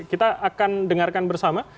kita akan dengarkan bersama